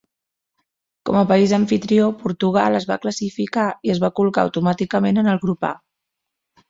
Com a país amfitrió, Portugal es va classificar i es va col·locar automàticament en el Grup A.